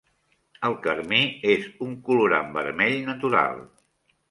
El carmí és un colorant vermell natural.